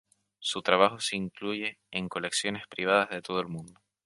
Su trabajo se incluye en colecciones privadas de todo el mundo.